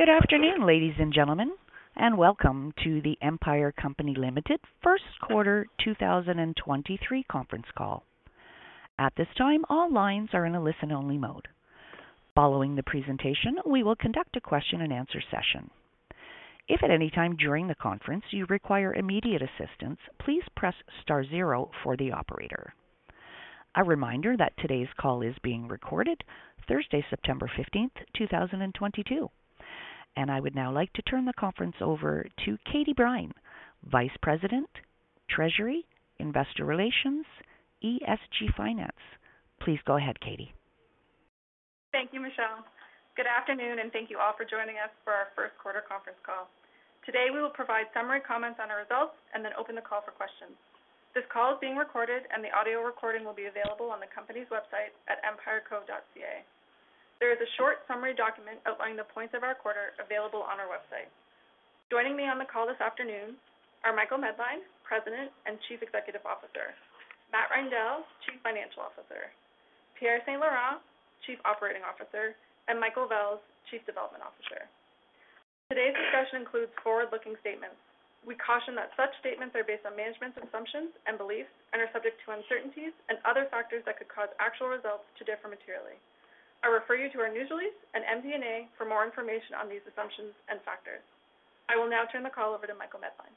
Good afternoon, ladies and gentlemen, and welcome to the Empire Company Limited First Quarter 2023 Conference Call. At this time, all lines are in a listen-only mode. Following the presentation, we will conduct a question-and-answer session. If at any time during the conference you require immediate assistance, please press star zero for the operator. A reminder that today's call is being recorded, Thursday, September 15th, 2022. I would now like to turn the conference over to Katie Brine, Vice President, Treasury, Investor Relations, ESG Finance. Please go ahead, Katie. Thank you, Michelle. Good afternoon, and thank you all for joining us for our first quarter conference call. Today, we will provide summary comments on our results and then open the call for questions. This call is being recorded and the audio recording will be available on the company's website at empireco.ca. There is a short summary document outlining the points of our quarter available on our website. Joining me on the call this afternoon are Michael Medline, President and Chief Executive Officer, Matt Reindel, Chief Financial Officer, Pierre St-Laurent, Chief Operating Officer, and Michael Vels, Chief Development Officer. Today's discussion includes forward-looking statements. We caution that such statements are based on management's assumptions and beliefs and are subject to uncertainties and other factors that could cause actual results to differ materially. I refer you to our news release and MD&A for more information on these assumptions and factors. I will now turn the call over to Michael Medline.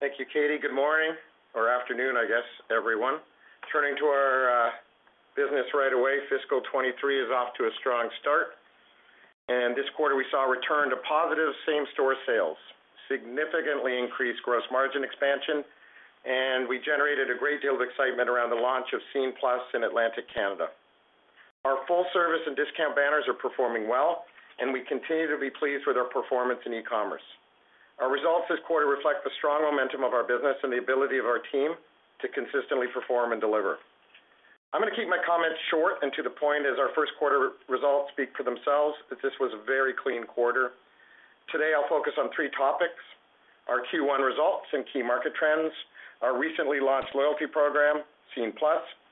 Thank you, Katie. Good morning or afternoon, I guess, everyone. Turning to our business right away, fiscal 2023 is off to a strong start, and this quarter we saw a return to positive same-store sales, significantly increased gross margin expansion, and we generated a great deal of excitement around the launch of Scene+ in Atlantic Canada. Our full-service and discount banners are performing well, and we continue to be pleased with our performance in e-commerce. Our results this quarter reflect the strong momentum of our business and the ability of our team to consistently perform and deliver. I'm going to keep my comments short and to the point as our first quarter results speak for themselves, but this was a very clean quarter. Today, I'll focus on three topics. Our Q1 results and key market trends, our recently launched loyalty program, Scene+,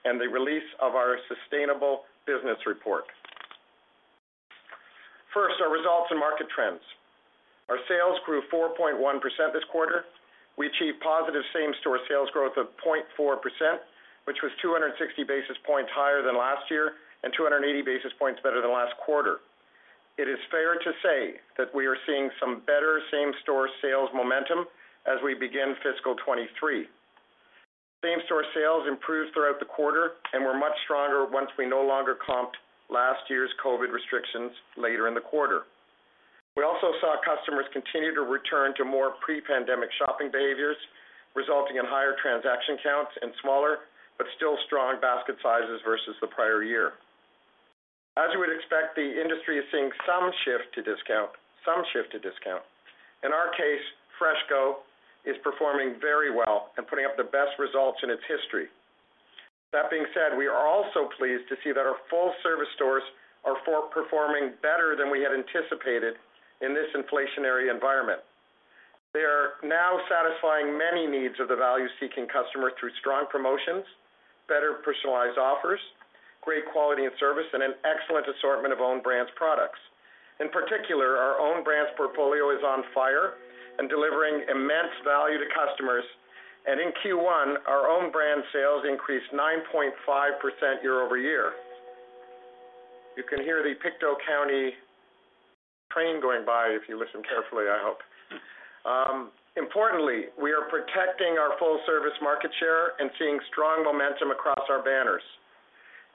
and the release of our sustainable business report. First, our results and market trends. Our sales grew 4.1% this quarter. We achieved positive same-store sales growth of 0.4%, which was 260 basis points higher than last year and 280 basis points better than last quarter. It is fair to say that we are seeing some better same-store sales momentum as we begin fiscal 2023. Same-store sales improved throughout the quarter and were much stronger once we no longer comped last year's COVID restrictions later in the quarter. We also saw customers continue to return to more pre-pandemic shopping behaviors, resulting in higher transaction counts and smaller but still strong basket sizes versus the prior year. As you would expect, the industry is seeing some shift to discount, some shift to discount. In our case, FreshCo is performing very well and putting up the best results in its history. That being said, we are also pleased to see that our full-service stores are outperforming better than we had anticipated in this inflationary environment. They are now satisfying many needs of the value-seeking customer through strong promotions, better personalized offers, great quality and service, and an excellent assortment of Own Brands products. In particular, our Own Brands portfolio is on fire and delivering immense value to customers. In Q1, our Own Brand sales increased 9.5% year-over-year. You can hear the Pictou County train going by if you listen carefully, I hope. Importantly, we are protecting our full-service market share and seeing strong momentum across our banners.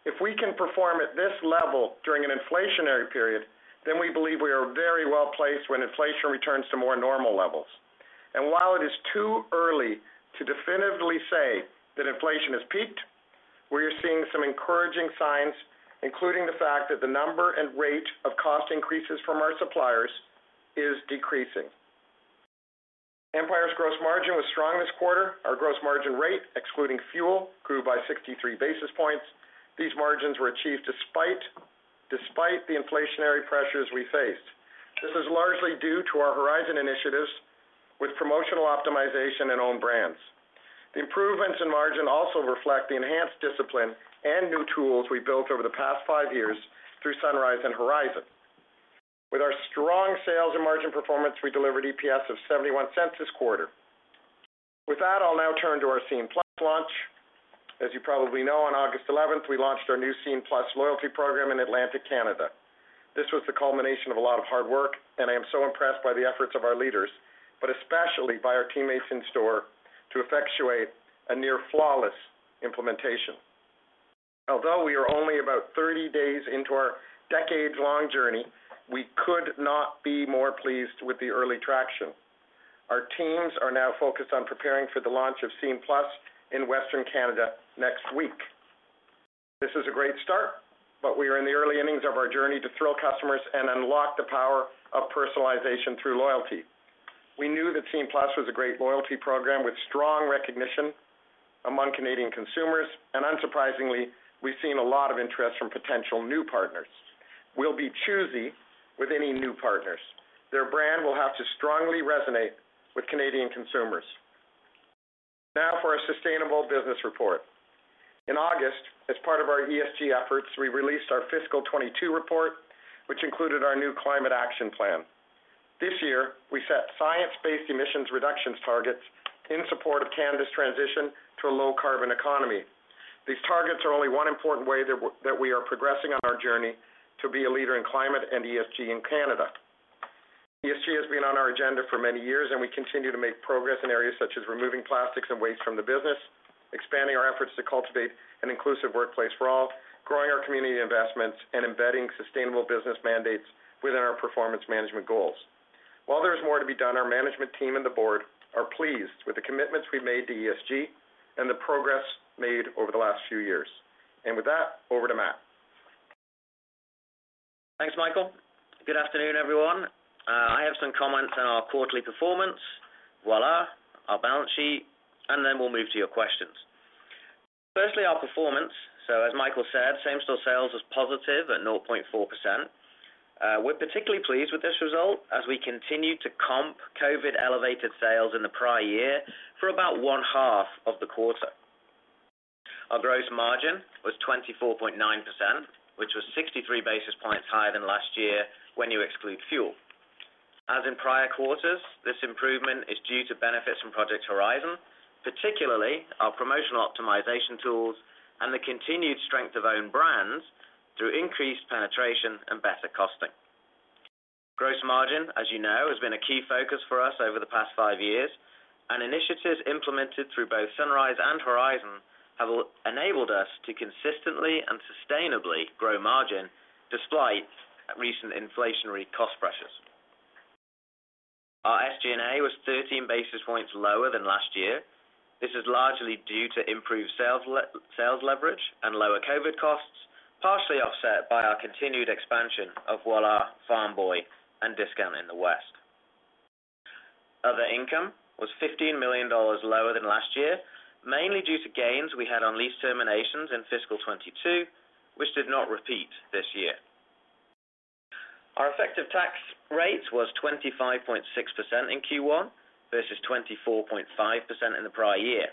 If we can perform at this level during an inflationary period, then we believe we are very well-placed when inflation returns to more normal levels. While it is too early to definitively say that inflation has peaked, we are seeing some encouraging signs, including the fact that the number and rate of cost increases from our suppliers is decreasing. Empire's gross margin was strong this quarter. Our gross margin rate, excluding fuel, grew by 63 basis points. These margins were achieved despite the inflationary pressures we faced. This is largely due to our Horizon initiatives with promotional optimization and Own Brands. The improvements in margin also reflect the enhanced discipline and new tools we've built over the past five years through Sunrise and Horizon. With our strong sales and margin performance, we delivered EPS of 0.71 this quarter. With that, I'll now turn to our Scene+ launch. As you probably know, on August eleventh, we launched our new Scene+ loyalty program in Atlantic Canada. This was the culmination of a lot of hard work, and I am so impressed by the efforts of our leaders, but especially by our teammates in store to effectuate a near-flawless implementation. Although we are only about 30 days into our decades-long journey, we could not be more pleased with the early traction. Our teams are now focused on preparing for the launch of Scene+ in Western Canada next week. This is a great start, but we are in the early innings of our journey to thrill customers and unlock the power of personalization through loyalty. We knew that Scene+ was a great loyalty program with strong recognition among Canadian consumers, and unsurprisingly, we've seen a lot of interest from potential new partners. We'll be choosy with any new partners. Their brand will have to strongly resonate with Canadian consumers. Now for our sustainable business report. In August, as part of our ESG efforts, we released our fiscal 2022 report, which included our new climate action plan. This year, we set science-based emissions reductions targets in support of Canada's transition to a low carbon economy. These targets are only one important way that we are progressing on our journey to be a leader in climate and ESG in Canada. ESG has been on our agenda for many years, and we continue to make progress in areas such as removing plastics and waste from the business, expanding our efforts to cultivate an inclusive workplace for all, growing our community investments, and embedding sustainable business mandates within our performance management goals. While there's more to be done, our management team and the board are pleased with the commitments we made to ESG and the progress made over the last few years. With that, over to Matt. Thanks, Michael. Good afternoon, everyone. I have some comments on our quarterly performance, Voilà, our balance sheet, and then we'll move to your questions. Firstly, our performance. As Michael said, same-store sales was positive at 0.4%. We're particularly pleased with this result as we continue to comp COVID elevated sales in the prior year for about one-half of the quarter. Our gross margin was 24.9%, which was 63 basis points higher than last year when you exclude fuel. As in prior quarters, this improvement is due to benefits from Project Horizon, particularly our promotional optimization tools and the continued strength of Own Brands through increased penetration and better costing. Gross margin, as you know, has been a key focus for us over the past five years, and initiatives implemented through both Sunrise and Horizon have enabled us to consistently and sustainably grow margin despite recent inflationary cost pressures. Our SG&A was 13 basis points lower than last year. This is largely due to improved sales leverage and lower COVID costs, partially offset by our continued expansion of Voilà, Farm Boy, and discount West. Other income was 15 million dollars lower than last year, mainly due to gains we had on lease terminations in fiscal 2022, which did not repeat this year. Our effective tax rate was 25.6% in Q1 versus 24.5% in the prior year.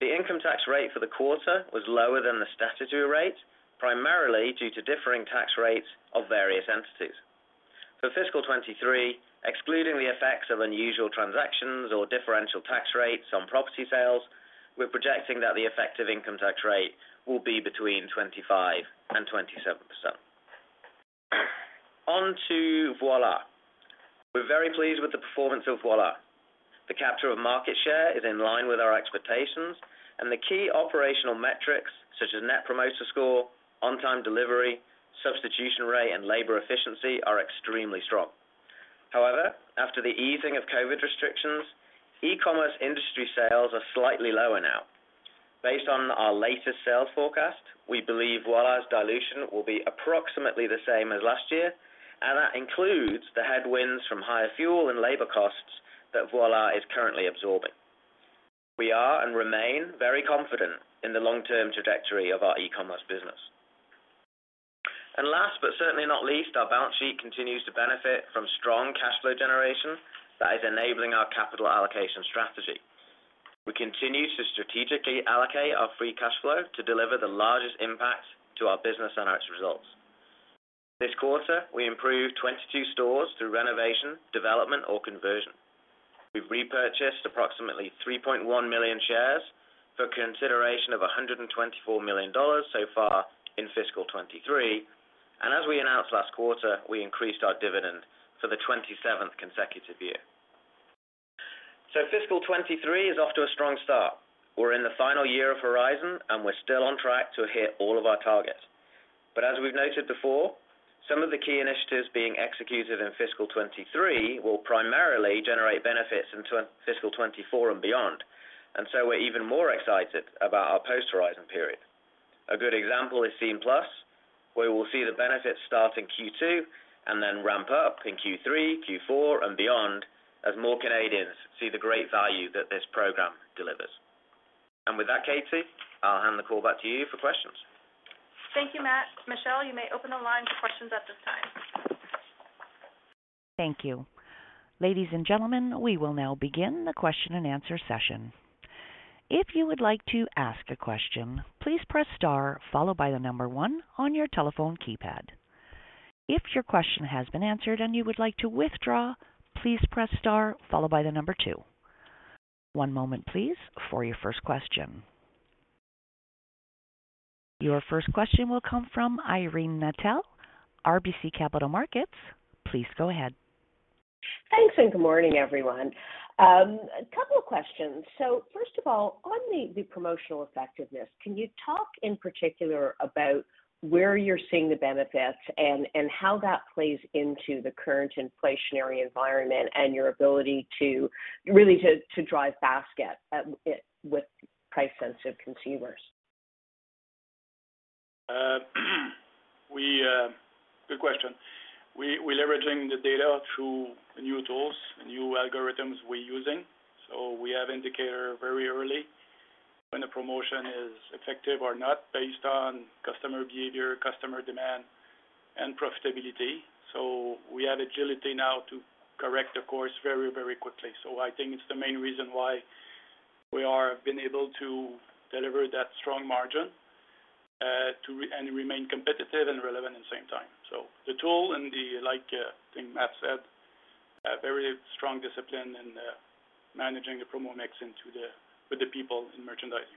The income tax rate for the quarter was lower than the statutory rate, primarily due to differing tax rates of various entities. For fiscal 2023, excluding the effects of unusual transactions or differential tax rates on property sales, we're projecting that the effective income tax rate will be between 25% and 27%. On to Voilà. We're very pleased with the performance of Voilà. The capture of market share is in line with our expectations, and the key operational metrics such as Net Promoter Score, on-time delivery, substitution rate, and labor efficiency are extremely strong. However, after the easing of COVID restrictions, e-commerce industry sales are slightly lower now. Based on our latest sales forecast, we believe Voilà's dilution will be approximately the same as last year, and that includes the headwinds from higher fuel and labor costs that Voilà is currently absorbing. We are and remain very confident in the long-term trajectory of our e-commerce business. Last but certainly not least, our balance sheet continues to benefit from strong cash flow generation that is enabling our capital allocation strategy. We continue to strategically allocate our free cash flow to deliver the largest impact to our business and our results. This quarter, we improved 22 stores through renovation, development, or conversion. We've repurchased approximately 3.1 million shares for consideration of 124 million dollars so far in fiscal 2023. As we announced last quarter, we increased our dividend for the 27th consecutive year. Fiscal 2023 is off to a strong start. We're in the final year of Horizon, and we're still on track to hit all of our targets. As we've noted before, some of the key initiatives being executed in fiscal 2023 will primarily generate benefits into fiscal 2024 and beyond. We're even more excited about our post-Horizon period. A good example is Scene+, where we'll see the benefits start in Q2 and then ramp up in Q3, Q4 and beyond as more Canadians see the great value that this program delivers. With that, Katie, I'll hand the call back to you for questions. Thank you, Matt. Michelle, you may open the line for questions at this time. Thank you. Ladies and gentlemen, we will now begin the question-and-answer session. If you would like to ask a question, please press star followed by the number one on your telephone keypad. If your question has been answered and you would like to withdraw, please press star followed by the number two. One moment, please, for your first question. Your first question will come from Irene Nattel, RBC Capital Markets. Please go ahead. Thanks and good morning, everyone. A couple of questions. First of all, on the promotional effectiveness, can you talk in particular about where you're seeing the benefits and how that plays into the current inflationary environment and your ability to really drive basket with price-sensitive consumers? Good question. We leveraging the data through new tools, new algorithms we're using. We have indicator very early. When a promotion is effective or not based on customer behavior, customer demand, and profitability. We have agility now to correct the course very, very quickly. I think it's the main reason why we have been able to deliver that strong margin, and remain competitive and relevant at the same time. The tool and the like, thing Matt said, a very strong discipline in, managing the promo mix with the people in merchandising.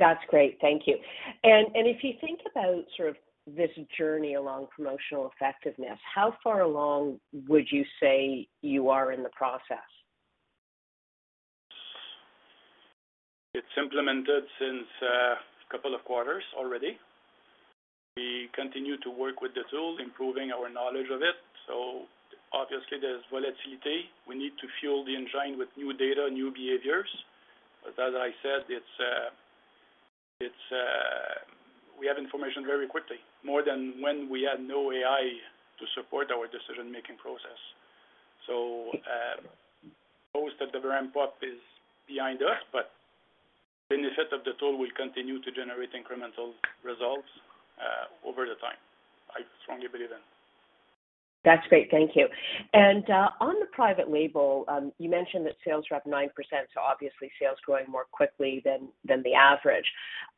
That's great. Thank you. If you think about sort of this journey along promotional effectiveness, how far along would you say you are in the process? It's implemented since a couple of quarters already. We continue to work with the tool, improving our knowledge of it. Obviously, there's volatility. We need to fuel the engine with new data, new behaviors. As I said, it's we have information very quickly, more than when we had no AI to support our decision-making process. Most of the ramp-up is behind us, but the benefit of the tool will continue to generate incremental results over the time. I strongly believe that. That's great. Thank you. On the private label, you mentioned that sales rep 9%, so obviously sales growing more quickly than the average.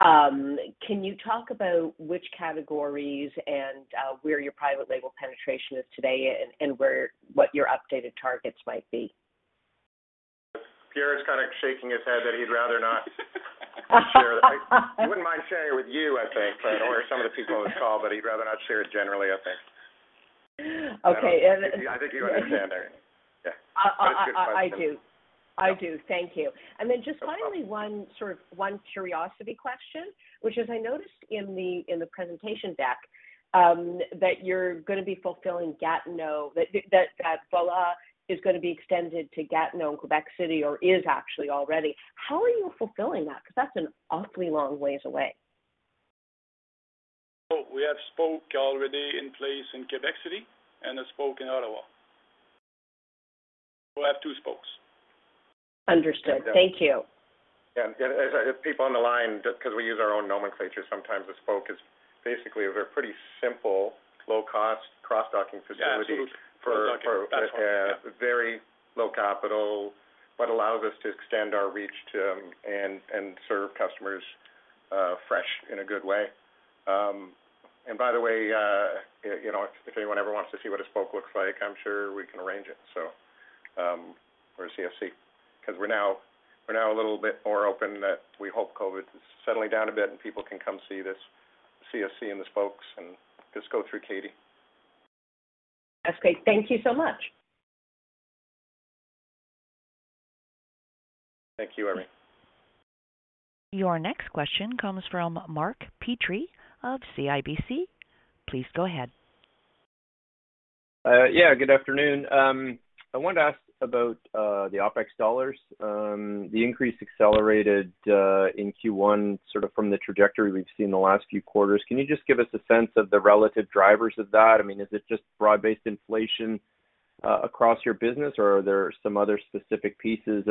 Can you talk about which categories and where your private label penetration is today and what your updated targets might be? Pierre is kind of shaking his head that he'd rather not share. He wouldn't mind sharing with you, I think, or some of the people on this call, but he'd rather not share it generally, I think. Okay. I think you understand there. Yeah. I do. Thank you. Then just finally, one sort of curiosity question, which is I noticed in the presentation deck that you're gonna be fulfilling Gatineau, that Voilà is gonna be extended to Gatineau and Québec City, or is actually already. How are you fulfilling that? Because that's an awfully long ways away. We have a spoke already in place in Quebec City and a spoke in Ottawa. We'll have two spokes. Understood. Thank you. Yeah. As people on the line, because we use our own nomenclature, sometimes a spoke is basically a very pretty simple low-cost cross docking facility. Absolutely. For very low capital, but allows us to extend our reach to and serve customers fresh in a good way. By the way, you know, if anyone ever wants to see what a spoke looks like, I'm sure we can arrange it, so for CFC, because we're now a little bit more open that we hope COVID is settling down a bit and people can come see this CFC and the spokes and just go through Katie. That's great. Thank you so much. Thank you, Irene. Your next question comes from Mark Petrie of CIBC. Please go ahead. Yeah, good afternoon. I wanted to ask about the OpEx dollars. The increase accelerated in Q1 sort of from the trajectory we've seen in the last few quarters. Can you just give us a sense of the relative drivers of that? I mean, is it just broad-based inflation across your business or are there some other specific pieces?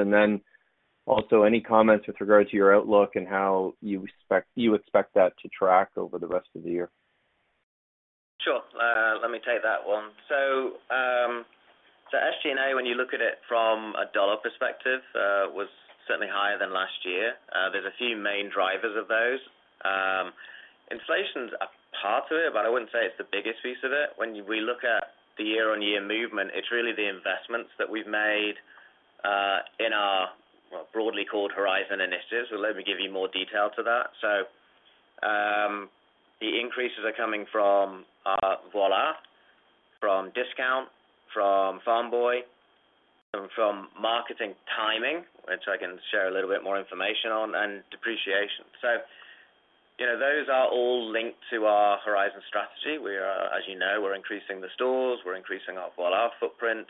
Also any comments with regards to your outlook and how you expect that to track over the rest of the year? Sure. Let me take that one. SG&A, when you look at it from a dollar perspective, was certainly higher than last year. There's a few main drivers of those. Inflation's a part of it, but I wouldn't say it's the biggest piece of it. When we look at the year-on-year movement, it's really the investments that we've made, in our broadly called Horizon initiatives. Let me give you more detail to that. The increases are coming from, Voilà, from discount, from Farm Boy, from marketing timing, which I can share a little bit more information on, and depreciation. You know, those are all linked to our Horizon strategy. As you know, we're increasing the stores, we're increasing our Voilà footprint.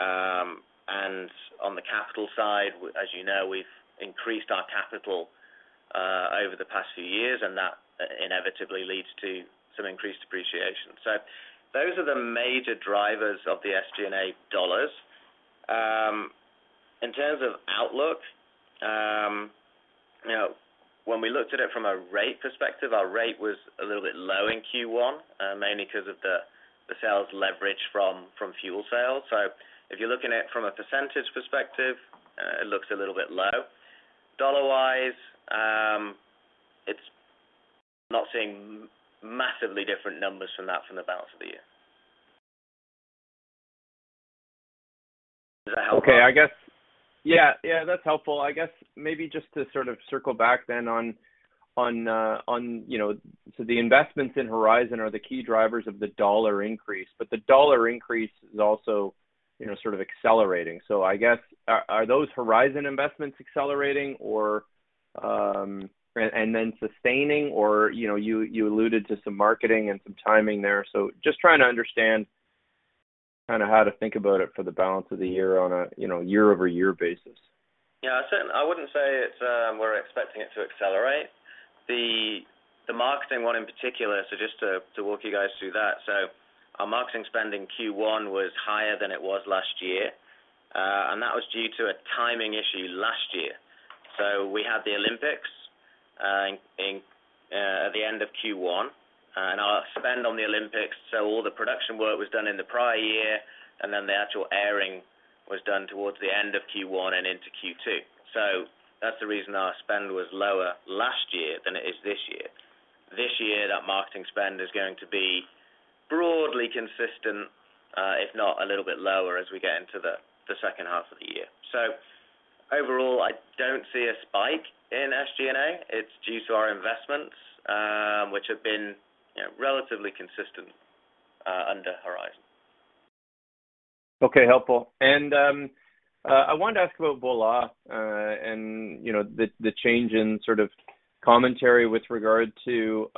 On the capital side, as you know, we've increased our capital over the past few years, and that inevitably leads to some increased depreciation. Those are the major drivers of the SG&A dollars. In terms of outlook, you know, when we looked at it from a rate perspective, our rate was a little bit low in Q1, mainly because of the sales leverage from fuel sales. If you're looking at it from a percentage perspective, it looks a little bit low. Dollar-wise, it's not seeing massively different numbers from the balance of the year. Is that helpful? Okay. I guess. Yeah, yeah, that's helpful. I guess maybe just to sort of circle back then on, you know, so the investments in Horizon are the key drivers of the dollar increase, but the dollar increase is also, you know, sort of accelerating. I guess, are those Horizon investments accelerating or, and then sustaining or, you know, you alluded to some marketing and some timing there. Just trying to understand kind of how to think about it for the balance of the year on a, you know, year-over-year basis. Yeah. I wouldn't say it's, we're expecting it to accelerate. The Marketing one in particular. Just to walk you guys through that. Our marketing spend in Q1 was higher than it was last year, and that was due to a timing issue last year. We had the Olympics in at the end of Q1, and our spend on the Olympics. All the production work was done in the prior year, and then the actual airing was done towards the end of Q1 and into Q2. That's the reason our spend was lower last year than it is this year. This year, that marketing spend is going to be broadly consistent, if not a little bit lower as we get into the second half of the year. Overall, I don't see a spike in SG&A. It's due to our investments, which have been, you know, relatively consistent under Horizon. Okay, helpful. I wanted to ask about Voilà, and you know, the change in sort of commentary with regard to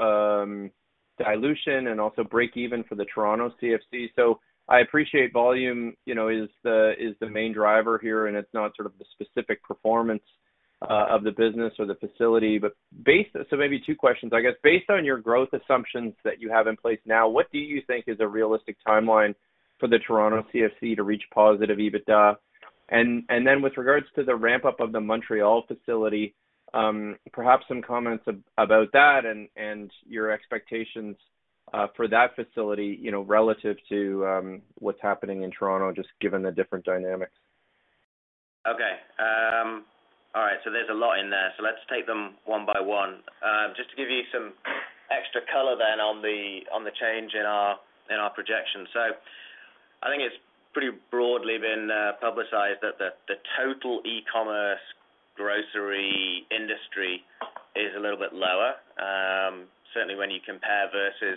dilution and also break even for the Toronto CFC. I appreciate volume, you know, is the main driver here, and it's not sort of the specific performance of the business or the facility. Maybe two questions, I guess. Based on your growth assumptions that you have in place now, what do you think is a realistic timeline for the Toronto CFC to reach positive EBITDA? Then with regards to the ramp-up of the Montreal facility, perhaps some comments about that and your expectations for that facility, you know, relative to what's happening in Toronto, just given the different dynamics. Okay. All right, there's a lot in there, so let's take them one by one. Just to give you some extra color then on the change in our projections. I think it's pretty broadly been publicized that the total e-commerce grocery industry is a little bit lower. Certainly when you compare versus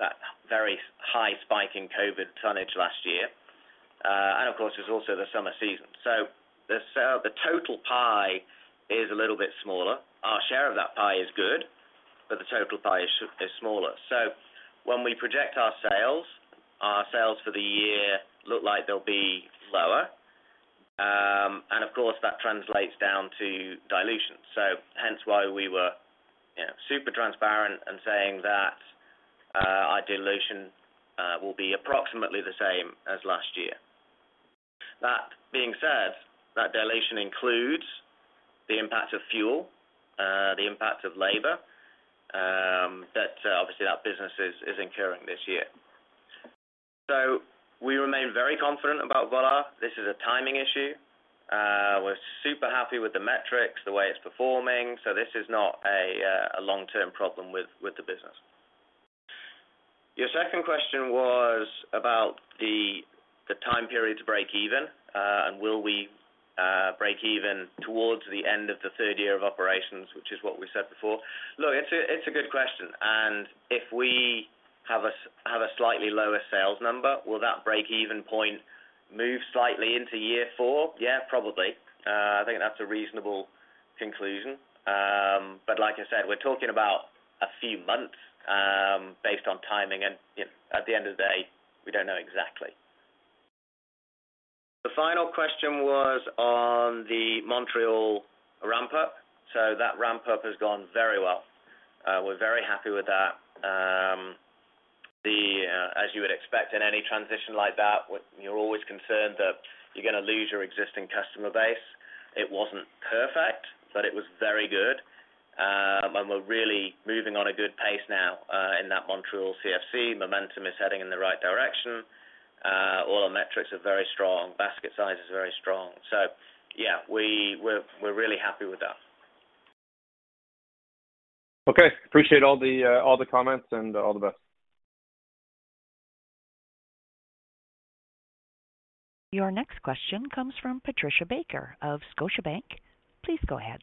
that very high spike in COVID tonnage last year. Of course, there's also the summer season. The total pie is a little bit smaller. Our share of that pie is good, but the total pie is smaller. When we project our sales, our sales for the year look like they'll be lower. Of course, that translates down to dilution. Hence why we were, you know, super transparent in saying that, our dilution will be approximately the same as last year. That being said, that dilution includes the impact of fuel, the impact of labor, that obviously our business is incurring this year. We remain very confident about Voilà. This is a timing issue. We're super happy with the metrics, the way it's performing, this is not a long-term problem with the business. Your second question was about the time period to break even, and will we break even towards the end of the third year of operations, which is what we said before. Look, it's a good question. If we have a slightly lower sales number, will that break even point move slightly into year four? Yeah, probably. I think that's a reasonable conclusion. Like I said, we're talking about a few months, based on timing. You know, at the end of the day, we don't know exactly. The final question was on the Montreal ramp-up. That ramp-up has gone very well. We're very happy with that. As you would expect in any transition like that, you're always concerned that you're gonna lose your existing customer base. It wasn't perfect, but it was very good. We're really moving on a good pace now, in that Montreal CFC. Momentum is heading in the right direction. All our metrics are very strong. Basket size is very strong. Yeah, we're really happy with that. Okay. Appreciate all the comments and all the best. Your next question comes from Patricia Baker of Scotiabank. Please go ahead.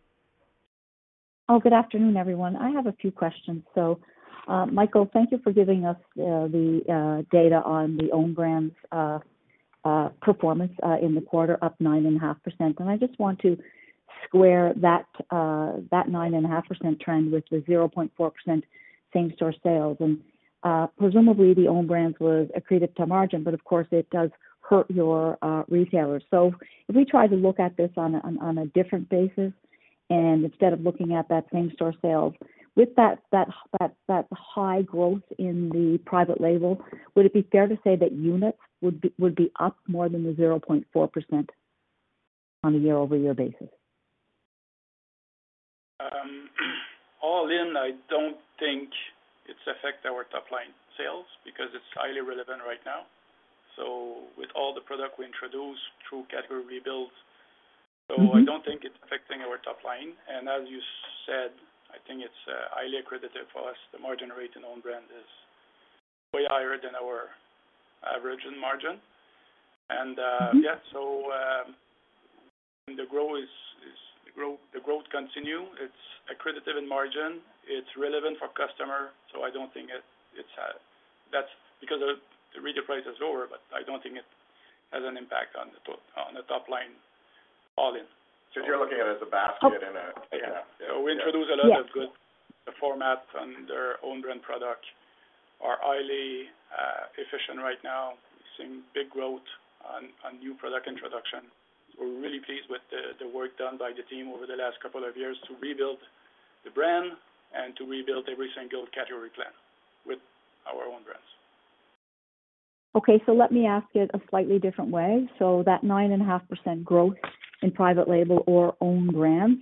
Good afternoon, everyone. I have a few questions. Michael, thank you for giving us the data on the Own Brands performance in the quarter, up 9.5%. I just want to square that 9.5% trend with the 0.4% same-store sales. Presumably the Own Brands was accretive to margin, but of course it does hurt your retailers. If we try to look at this on a different basis, and instead of looking at that same-store sales with that high growth in the private label, would it be fair to say that units would be up more than the 0.4% on a year-over-year basis? All in, I don't think it's affect our top line sales because it's highly relevant right now. With all the product we introduced through category rebuilds, I don't think it's affecting our top line. As you said, I think it's highly accretive for us. The margin rate in Own Brand is way higher than our average in margin. Yeah. The growth continues. It's accretive in margin. It's relevant for customer, so I don't think it's that's because the retail price is lower, but I don't think it has an impact on the top line all in. You're looking at it as a basket. Yeah. We introduce a lot of good formats on their Own Brand product are highly efficient right now, seeing big growth on new product introduction. We're really pleased with the work done by the team over the last couple of years to rebuild the brand and to rebuild every single category plan with our Own Brands. Okay, let me ask it a slightly different way. That 9.5% growth in private label or Own Brands,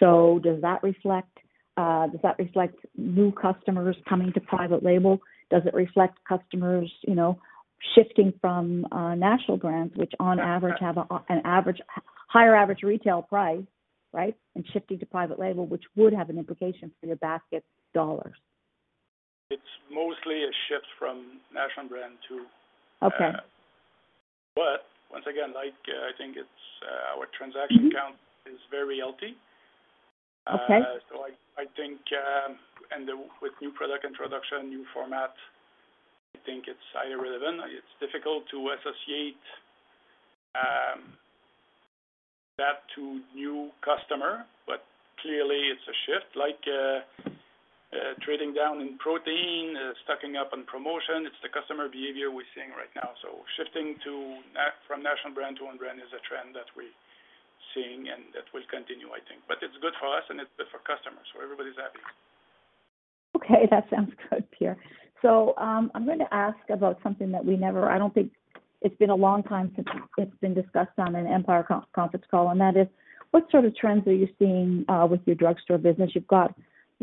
does that reflect new customers coming to private label? Does it reflect customers, you know, shifting from national brands, which on average have a higher average retail price, right, and shifting to private label, which would have an implication for your basket dollars. It's mostly a shift from national brand to— Okay. Once again, like, I think it's our transaction count is very healthy. Okay. I think with new product introduction, new format, I think it's irrelevant. It's difficult to associate that to new customer, but clearly it's a shift like trading down in protein, stocking up on promotion. It's the customer behavior we're seeing right now. Shifting from national brand to Own Brand is a trend that we're seeing and that will continue, I think. It's good for us and it's good for customers, so everybody's happy. Okay, that sounds good, Pierre. I'm going to ask about something that I don't think it's been a long time since it's been discussed on an Empire conference call, and that is what sort of trends are you seeing with your drugstore business? You've got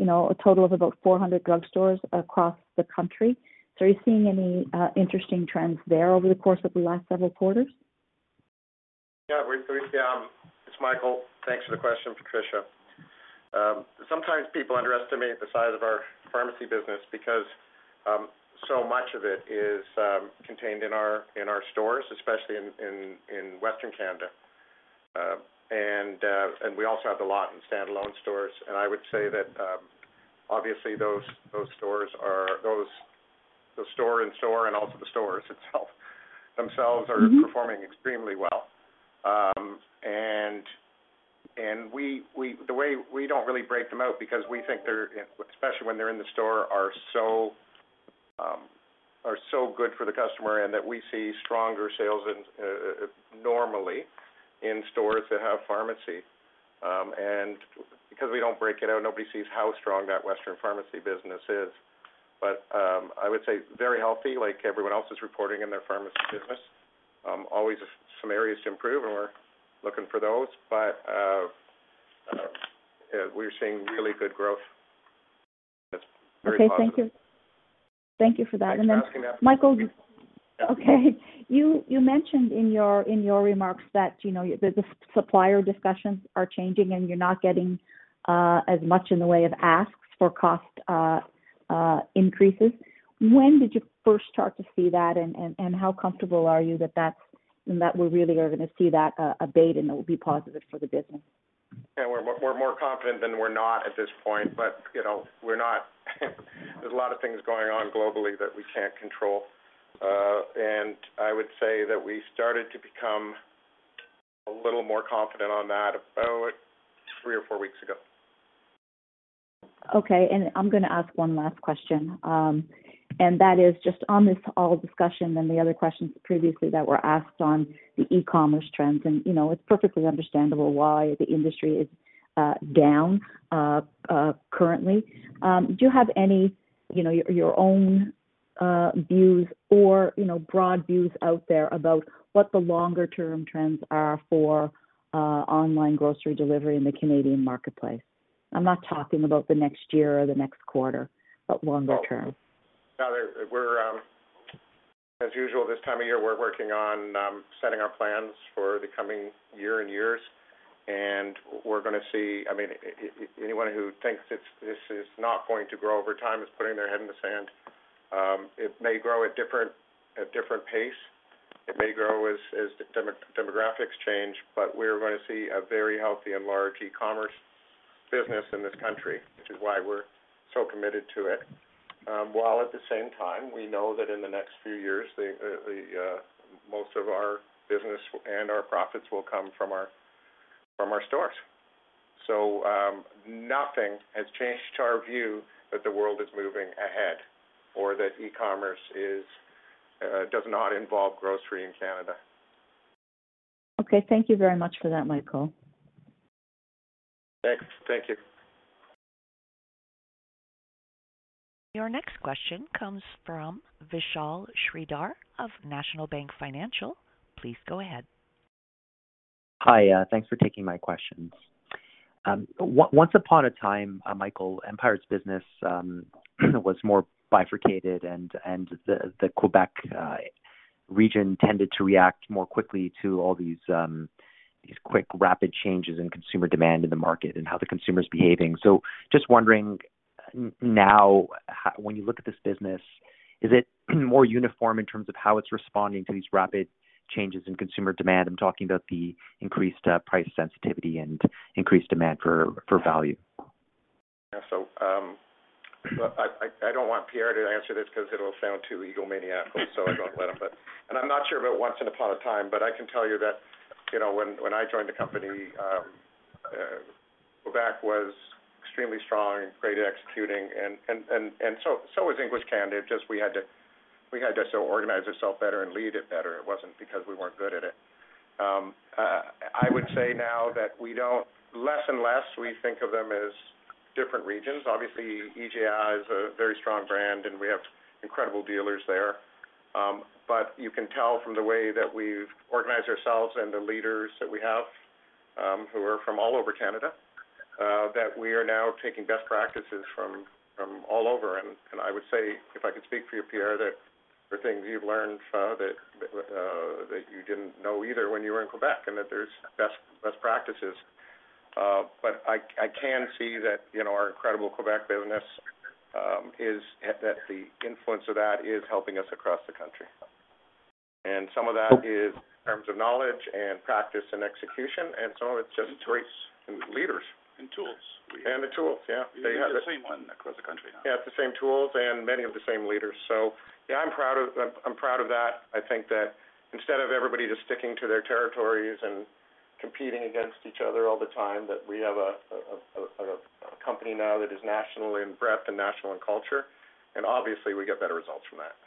a total of about 400 drugstores across the country. Are you seeing any interesting trends there over the course of the last several quarters? Yeah. It's Michael. Thanks for the question, Patricia. Sometimes people underestimate the size of our pharmacy business because so much of it is contained in our stores, especially in Western Canada. We also have a lot in standalone stores. I would say that obviously the store-in-store and also the stores themselves are performing extremely well. The way we don't really break them out is because we think they are, especially when they're in the store, so good for the customer and that we see stronger sales normally in stores that have pharmacy. Because we don't break it out, nobody sees how strong that Western pharmacy business is. I would say very healthy, like everyone else is reporting in their pharmacy business. Always some areas to improve and we're looking for those. We're seeing really good growth. That's very positive. Okay. Thank you. Thank you for that. Thanks for asking that, Patricia. Michael, okay, you mentioned in your remarks that, you know, the supplier discussions are changing and you're not getting as much in the way of asks for cost increases. When did you first start to see that and how comfortable are you that that's and that we really are gonna see that abate and it will be positive for the business? Yeah, we're more confident than we're not at this point. You know, there's a lot of things going on globally that we can't control. I would say that we started to become a little more confident on that about three or four weeks ago. Okay. I'm gonna ask one last question, and that is just on this all discussion and the other questions previously that were asked on the e-commerce trends. You know, it's perfectly understandable why the industry is down currently. Do you have any, you know, your own views or, you know, broad views out there about what the longer-term trends are for online grocery delivery in the Canadian marketplace? I'm not talking about the next year or the next quarter, but longer-term. Now we're, as usual, this time of year, we're working on setting our plans for the coming year and years, and we're gonna see. I mean, anyone who thinks this is not going to grow over time is putting their head in the sand. It may grow at a different pace. It may grow as demographics change, but we're gonna see a very healthy and large e-commerce business in this country, which is why we're so committed to it. While at the same time we know that in the next few years, the most of our business and our profits will come from our stores. Nothing has changed our view that the world is moving ahead or that e-commerce does involve grocery in Canada. Okay, thank you very much for that, Michael. Thanks. Thank you. Your next question comes from Vishal Shreedhar of National Bank Financial. Please go ahead. Hi. Thanks for taking my questions. Once upon a time, Michael, Empire's business was more bifurcated and the Quebec region tended to react more quickly to all these quick, rapid changes in consumer demand in the market and how the consumer is behaving. Just wondering now, when you look at this business, is it more uniform in terms of how it's responding to these rapid changes in consumer demand? I'm talking about the increased price sensitivity and increased demand for value. I don't want Pierre to answer this because it'll sound too egomaniacal, so I don't let him. I'm not sure about once upon a time, but I can tell you that, you know, when I joined the company, Québec was extremely strong and great at executing and so was English Canada. Just we had to so organize ourselves better and lead it better. It wasn't because we weren't good at it. I would say now that we don't. Less and less we think of them as different regions. Obviously, IGA is a very strong brand, and we have incredible dealers there. You can tell from the way that we've organized ourselves and the leaders that we have, who are from all over Canada, that we are now taking best practices from all over. I would say, if I could speak for you, Pierre, that there are things you've learned that you didn't know either when you were in Quebec, and that there's best practices. I can see that, you know, our incredible Quebec business that the influence of that is helping us across the country. Some of that is in terms of knowledge and practice and execution, and some of it's just great leaders. And tools. The tools, yeah. They've got the same one across the country now. Yeah, it's the same tools and many of the same leaders. Yeah, I'm proud of that. I think that instead of everybody just sticking to their territories and competing against each other all the time, that we have a company now that is nationally in breadth and national in culture, and obviously we get better results from that.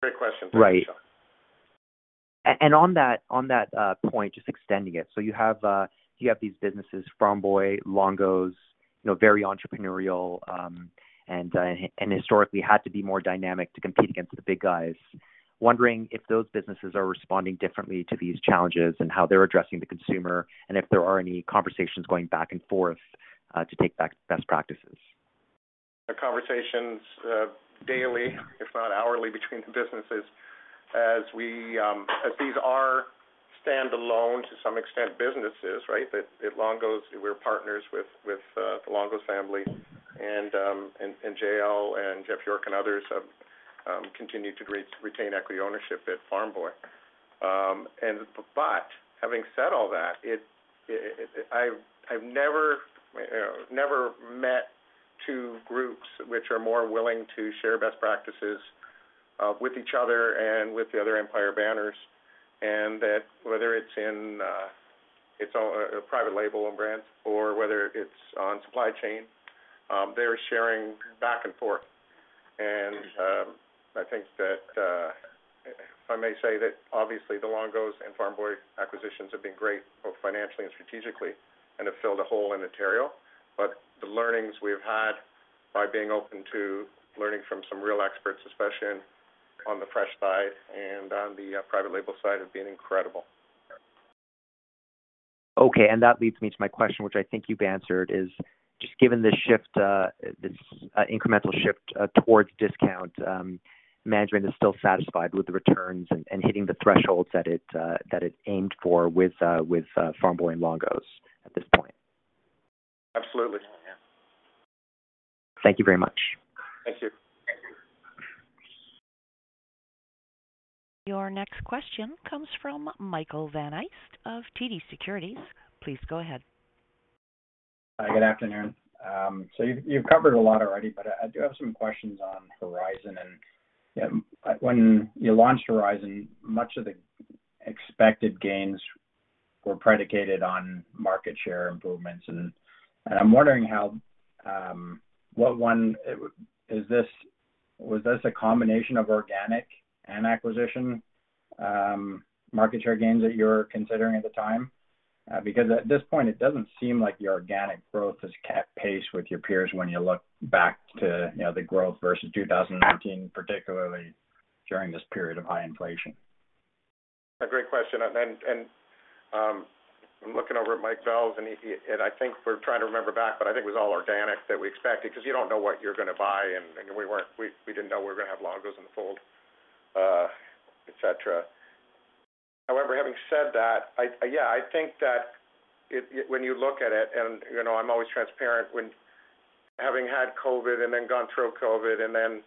Great question. Thanks, Vishal. Right. And on that point, just extending it. You have these businesses, Farm Boy, Longo's, you know, very entrepreneurial, and historically had to be more dynamic to compete against the big guys. Wondering if those businesses are responding differently to these challenges and how they're addressing the consumer, and if there are any conversations going back and forth to take back best practices. There are conversations, daily, if not hourly, between the businesses as these are standalone to some extent, businesses, right? That at Longo's we're partners with the Longo family and Jean-Louis and Jeff York and others continue to retain equity ownership at Farm Boy. Having said all that, I've never met two groups which are more willing to share best practices with each other and with the other Empire banners. That whether it's in private label and brands or whether it's on supply chain, they're sharing back and forth. I think that if I may say that obviously the Longo's and Farm Boy acquisitions have been great, both financially and strategically, and have filled a hole in Ontario. The learnings we have had by being open to learning from some real experts, especially on the fresh side and on the private label side, have been incredible. Okay. That leads me to my question, which I think you've answered, is just given the shift, this incremental shift towards discount, management is still satisfied with the returns and hitting the thresholds that it aimed for with Farm Boy and Longo's at this point. Absolutely. Yeah. Thank you very much. Thank you. Your next question comes from Michael Van Aelst of TD Securities. Please go ahead. Hi, good afternoon. You've covered a lot already, but I do have some questions on Horizon. When you launched Horizon, much of the expected gains were predicated on market share improvements. I'm wondering, was this a combination of organic and acquisition market share gains that you were considering at the time? Because at this point, it doesn't seem like your organic growth is keeping pace with your peers when you look back to, you know, the growth versus 2019, particularly during this period of high inflation. A great question. I'm looking over at Mike Vels, and I think we're trying to remember back, but I think it was all organic that we expected because you don't know what you're gonna buy and we didn't know we're gonna have Longo's in the fold, et cetera. However, having said that, yeah, I think that when you look at it and, you know, I'm always transparent when having had COVID and then gone through COVID and then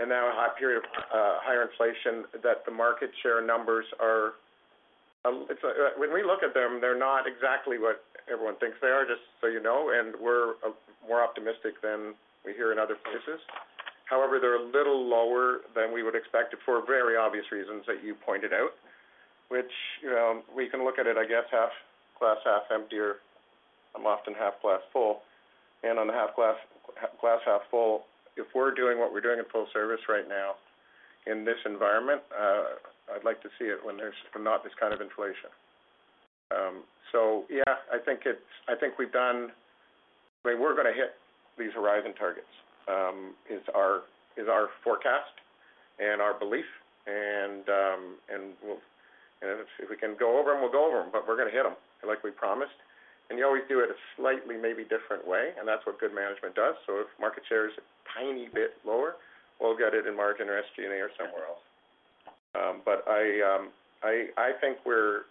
and now a high period of higher inflation, that the market share numbers are, it's when we look at them, they're not exactly what everyone thinks they are, just so you know, and we're more optimistic than we hear in other places. However, they're a little lower than we would expect it for very obvious reasons that you pointed out, which, you know, we can look at it, I guess, half glass half empty or I'm often half glass full. On the half glass half full, if we're doing what we're doing in full service right now in this environment, I'd like to see it when there's not this kind of inflation. So yeah, I mean, we're gonna hit these Horizon targets is our forecast and our belief, and we'll. If we can go over them, we'll go over them, but we're gonna hit them like we promised. You always do it a slightly maybe different way, and that's what good management does. If market share is a tiny bit lower, we'll get it in margin or SG&A or somewhere else. I think we're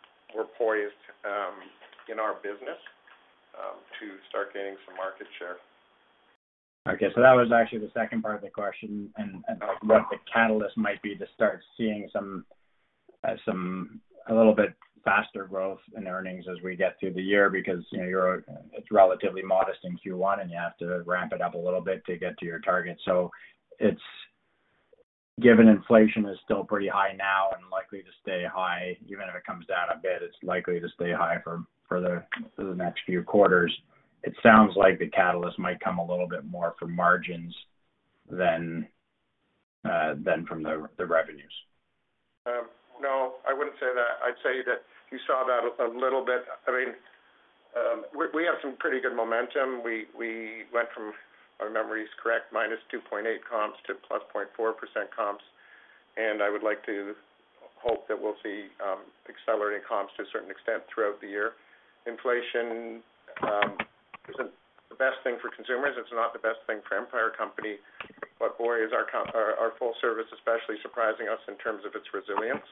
poised in our business to start gaining some market share. Okay. That was actually the second part of the question and like what the catalyst might be to start seeing some a little bit faster growth in earnings as we get through the year because, you know, it's relatively modest in Q1, and you have to ramp it up a little bit to get to your target. Given inflation is still pretty high now and likely to stay high, even if it comes down a bit, it's likely to stay high for the next few quarters. It sounds like the catalyst might come a little bit more from margins than from the revenues. No, I wouldn't say that. I'd say that you saw that a little bit. I mean, we have some pretty good momentum. We went from, if my memory is correct, -2.8 comps to +0.4% comps. I would like to hope that we'll see accelerating comps to a certain extent throughout the year. Inflation isn't the best thing for consumers. It's not the best thing for Empire Company. Boy, is our comps, our full service especially surprising us in terms of its resilience.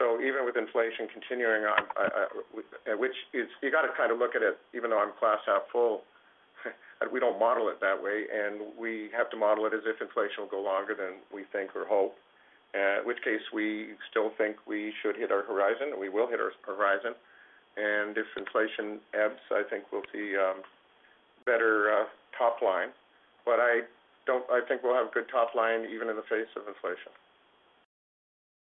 Even with inflation continuing on, which is. You gotta kind of look at it, even though I'm glass half full, we don't model it that way, and we have to model it as if inflation will go longer than we think or hope. In which case we still think we should hit our Horizon, and we will hit our Horizon. If inflation ebbs, I think we'll see better top line. I think we'll have good top line even in the face of inflation.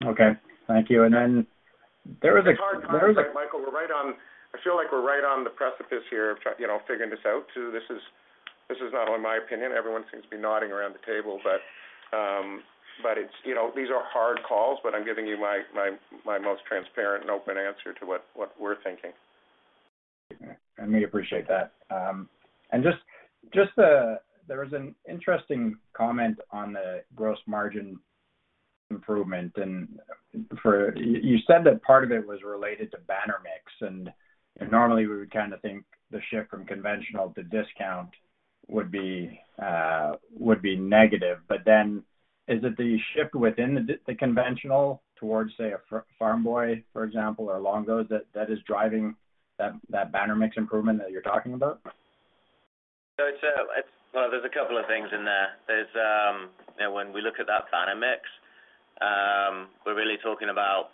Okay, thank you. It's hard to comment, Michael. I feel like we're right on the precipice here of figuring this out too. This is not only my opinion, everyone seems to be nodding around the table. It's, you know, these are hard calls, but I'm giving you my most transparent and open answer to what we're thinking. I appreciate that. Just, there was an interesting comment on the gross margin improvement. You said that part of it was related to Banner Mix, and normally, we would kinda think the shift from conventional to discount would be negative. Is it the shift within the conventional towards, say, a Farm Boy, for example, or a Longo's that is driving that Banner Mix improvement that you're talking about? Well, there's a couple of things in there. There's you know, when we look at that Banner Mix, we're really talking about,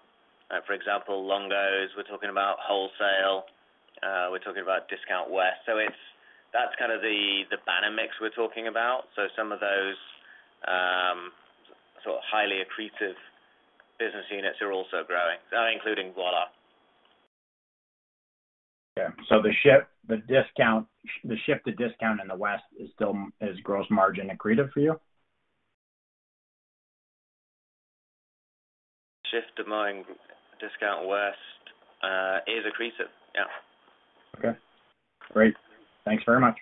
for example, Longo's, we're talking about wholesale, we're talking about discount West. That's kind of the Banner Mix we're talking about. Some of those sort of highly accretive business units are also growing, including Voilà. Yeah. The shift to discount in the West is still gross-margin accretive for you? Shift to buying discount West is accretive, yeah. Okay, great. Thanks very much.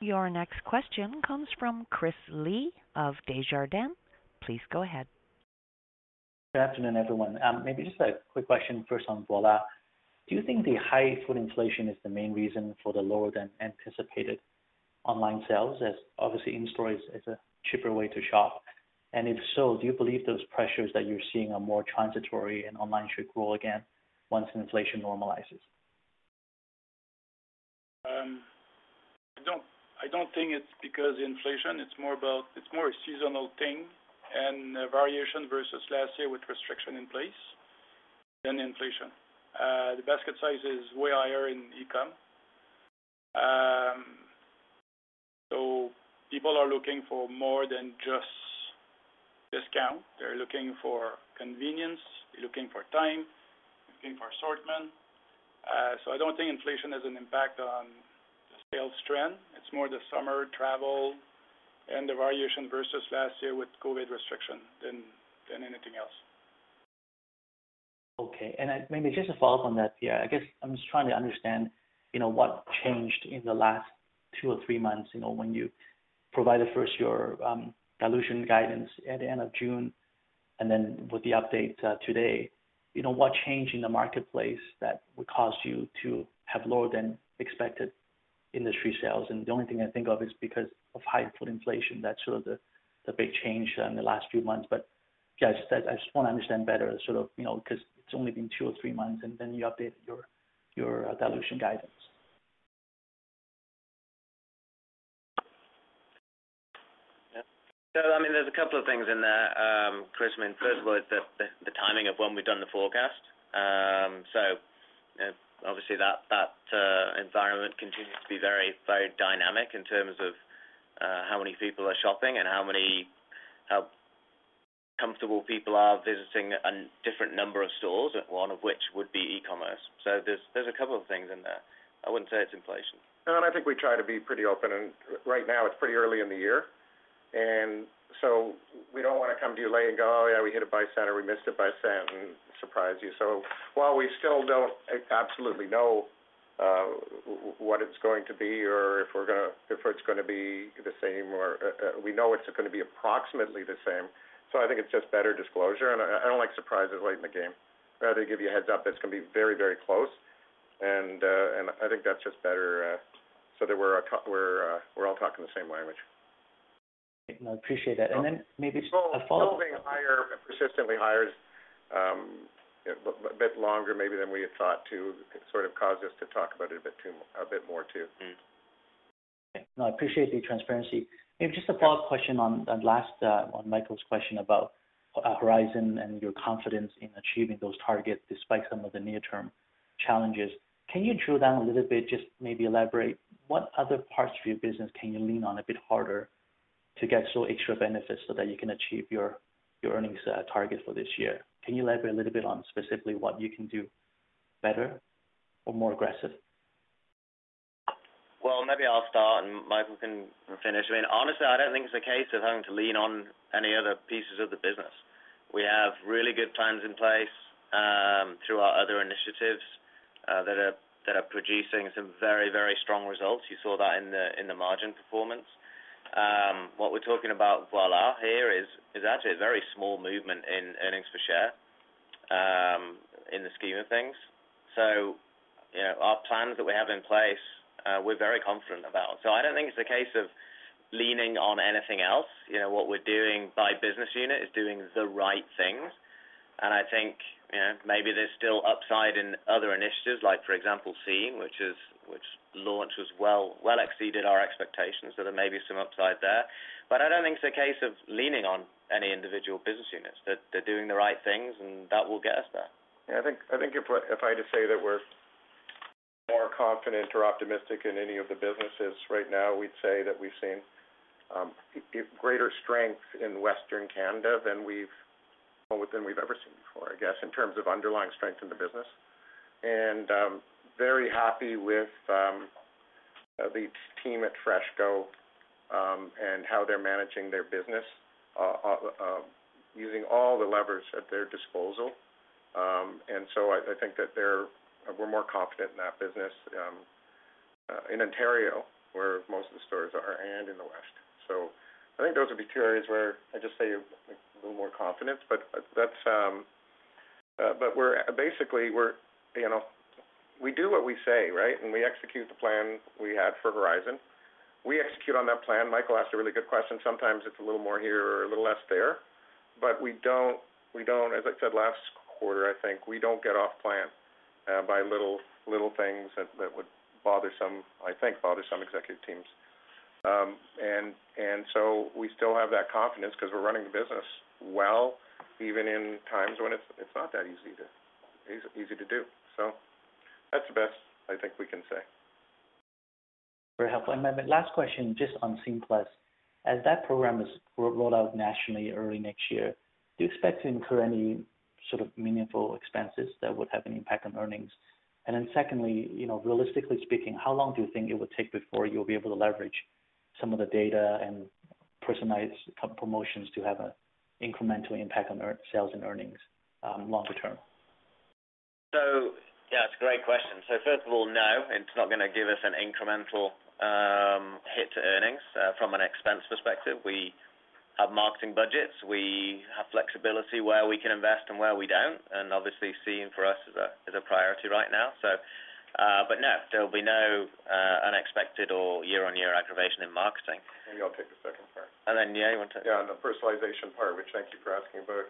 Your next question comes from Chris Li of Desjardins. Please go ahead. Good afternoon, everyone. Maybe just a quick question first on Voilà. Do you think the high food inflation is the main reason for the lower than anticipated online sales, as obviously in-store is a cheaper way to shop? If so, do you believe those pressures that you're seeing are more transitory and online should grow again once inflation normalizes? I don't think it's because inflation, it's more a seasonal thing and variation versus last year with restriction in place than inflation. The basket size is way higher in e-com. So people are looking for more than just discount. They're looking for convenience, they're looking for time, they're looking for assortment. So I don't think inflation has an impact on the sales trend. It's more the summer travel and the variation versus last year with COVID restriction than anything else. Okay. Maybe just to follow up on that, Pierre, I guess I'm just trying to understand, you know, what changed in the last two or three months, you know, when you provided first your dilution guidance at the end of June, and then with the update, today. You know, what changed in the marketplace that would cause you to have lower than expected industry sales? The only thing I think of is because of high food inflation, that's sort of the big change in the last few months. But yeah, I just wanna understand better sort of, you know, because it's only been two or three months, and then you updated your dilution guidance. I mean, there's a couple of things in there, Chris. I mean, first was the timing of when we've done the forecast. Obviously that environment continues to be very, very dynamic in terms of how many people are shopping and how comfortable people are visiting a different number of stores, one of which would be e-commerce. There's a couple of things in there. I wouldn't say it's inflation. No, and I think we try to be pretty open, and right now it's pretty early in the year. We don't wanna come to you late and go, "Oh, yeah, we hit it by cent or we missed it by cent," and surprise you. While we still don't absolutely know what it's going to be or if it's gonna be the same or we know it's gonna be approximately the same. I think it's just better disclosure, and I don't like surprises late in the game. I'd rather give you a heads up that it's gonna be very, very close. I think that's just better, so that we're all talking the same language. No, I appreciate that. Maybe just a follow-up. Something higher, persistently higher, a bit longer maybe than we had thought that sort of caused us to talk about it a bit more too. No, I appreciate the transparency. Maybe just a follow-up question on Michael's question about Horizon and your confidence in achieving those targets despite some of the near-term challenges. Can you drill down a little bit, just maybe elaborate what other parts of your business can you lean on a bit harder to get some extra benefits so that you can achieve your earnings target for this year? Can you elaborate a little bit on specifically what you can do better or more aggressive? Well, maybe I'll start and Michael can finish. I mean, honestly, I don't think it's a case of having to lean on any other pieces of the business. We have really good plans in place through our other initiatives that are producing some very strong results. You saw that in the margin performance. What we're talking about Voilà here is actually a very small movement in earnings per share in the scheme of things. You know, our plans that we have in place we're very confident about. I don't think it's a case of leaning on anything else. You know, what we're doing by business unit is doing the right things. I think, you know, maybe there's still upside in other initiatives like for example, Scene, which launch well exceeded our expectations. There may be some upside there, but I don't think it's a case of leaning on any individual business units. They're doing the right things and that will get us there. I think if I had to say that we're more confident or optimistic in any of the businesses right now, we'd say that we've seen greater strength in Western Canada than we've ever seen before, I guess, in terms of underlying strength in the business. Very happy with the team at FreshCo and how they're managing their business using all the levers at their disposal. I think that we're more confident in that business in Ontario, where most of the stores are and in the West. I think those would be two areas where I just say a little more confidence, but we're basically, you know, we do what we say, right? When we execute the plan we had for Horizon, we execute on that plan. Michael asked a really good question. Sometimes it's a little more here or a little less there, but we don't, as I said last quarter, I think, we don't get off plan by little things that would bother some, I think, executive teams. And so we still have that confidence because we're running the business well, even in times when it's not that easy to do. That's the best I think we can say. Very helpful. My last question, just on Scene+, as that program is rolled out nationally early next year, do you expect to incur any sort of meaningful expenses that would have an impact on earnings? Then secondly, you know, realistically speaking, how long do you think it would take before you'll be able to leverage some of the data and personalized promotions to have an incremental impact on sales and earnings longer-term? Yeah, it's a great question. First of all, no, it's not gonna give us an incremental hit to earnings from an expense perspective. We have marketing budgets, we have flexibility where we can invest and where we don't. Obviously Scene for us is a priority right now. But no, there'll be no unexpected or year-on-year aggravation in marketing. Maybe I'll take the second part. Yeah, you want to— Yeah, on the personalization part, which, thank you for asking about.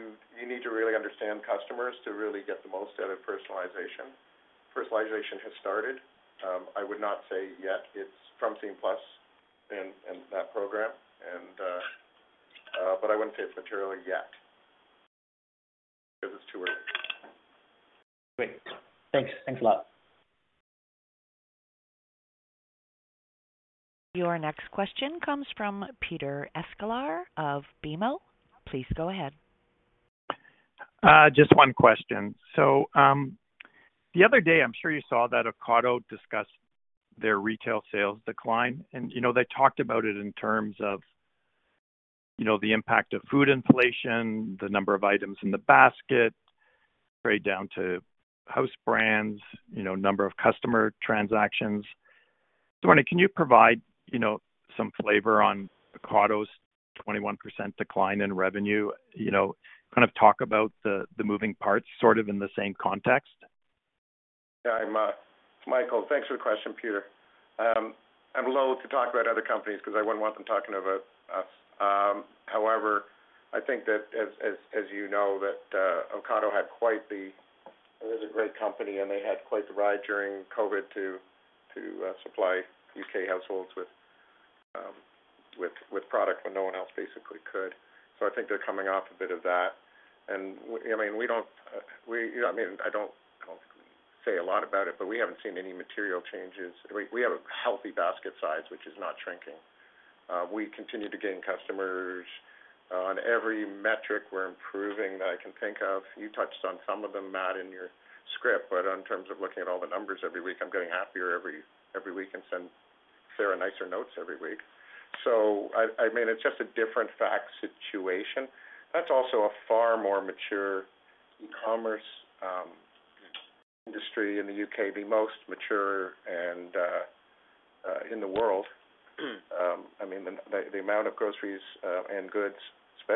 You need to really understand customers to really get the most out of personalization. Personalization has started. I would not say yet it's from Scene+ and that program, but I wouldn't say it's materially yet 'cause it's too early. Great. Thanks. Thanks a lot. Your next question comes from Peter Sklar of BMO. Please go ahead. Just one question. The other day, I'm sure you saw that Ocado discussed their retail sales decline. You know, they talked about it in terms of, you know, the impact of food inflation, the number of items in the basket, trade down to house brands, you know, number of customer transactions. I'm wondering, can you provide, you know, some flavor on Ocado's 21% decline in revenue? You know, kind of talk about the moving parts sort of in the same context. Yeah, I'm Michael, thanks for the question, Peter. I'm loathe to talk about other companies because I wouldn't want them talking about us. However, I think that as you know, that Ocado had quite the ride during COVID to supply UK households with product when no one else basically could. It is a great company, and they had quite the ride during COVID. I think they're coming off a bit of that. I mean, we don't, we you know I mean I don't say a lot about it, but we haven't seen any material changes. We have a healthy basket size, which is not shrinking. We continue to gain customers. On every metric we're improving that I can think of. You touched on some of them, Matt, in your script, but in terms of looking at all the numbers every week, I'm getting happier every week and send Sarah nicer notes every week. I mean, it's just a different fact situation. That's also a far more mature e-commerce industry in the UK, the most mature in the world. I mean, the amount of groceries and goods,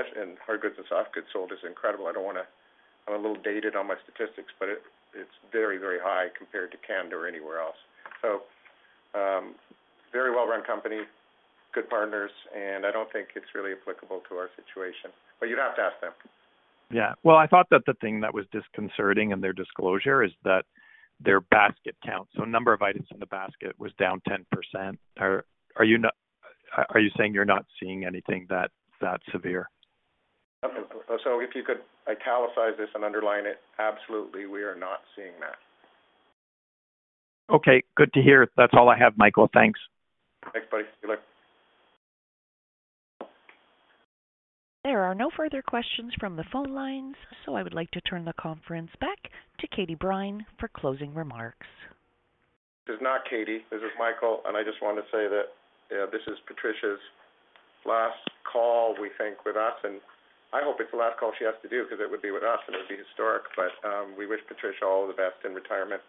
especially in hard goods and soft goods sold is incredible. I'm a little dated on my statistics, but it's very, very high compared to Canada or anywhere else. Very well-run company, good partners, and I don't think it's really applicable to our situation. You'd have to ask them. Yeah. Well, I thought that the thing that was disconcerting in their disclosure is that their basket count. Number of items in the basket was down 10%. Are you saying you're not seeing anything that severe? If you could italicize this and underline it, absolutely, we are not seeing that. Okay. Good to hear. That's all I have, Michael. Thanks. Thanks, buddy. Good luck. There are no further questions from the phone lines, so I would like to turn the conference back to Katie Brine for closing remarks. This is not Katie. This is Michael, and I just want to say that, you know, this is Patricia's last call, we think, with us, and I hope it's the last call she has to do because it would be with us and it would be historic. We wish Patricia all the best in retirement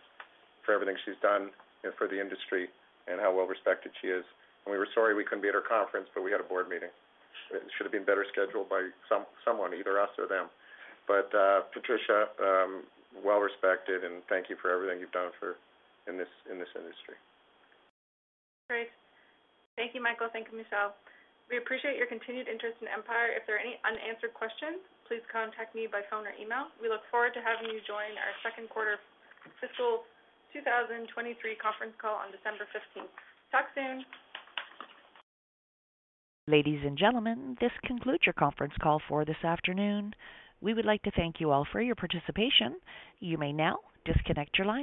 for everything she's done, you know, for the industry and how well-respected she is. We were sorry we couldn't be at her conference, but we had a board meeting. It should've been better scheduled by someone, either us or them. Patricia, well respected, and thank you for everything you've done for the industry. Great. Thank you, Michael. Thank you, Michelle. We appreciate your continued interest in Empire. If there are any unanswered questions, please contact me by phone or email. We look forward to having you join our second quarter fiscal 2023 conference call on December 15th. Talk soon. Ladies and gentlemen, this concludes your conference call for this afternoon. We would like to thank you all for your participation. You may now disconnect your lines.